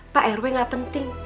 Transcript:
pak rw gak penting